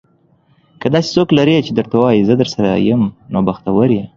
که داسې څوک لرې چې درته وايي, زه درسره یم. نو بختور یې.